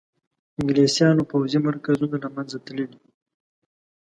انګلیسیانو پوځي مرکزونه له منځه تللي.